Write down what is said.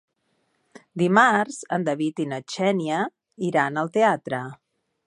Dimarts en David i na Xènia iran al teatre.